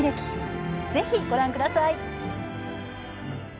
ぜひご覧ください。